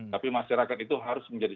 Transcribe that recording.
tapi masyarakat itu harus menjadi